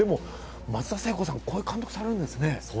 松田聖子さん、こういう監督をされるんですね。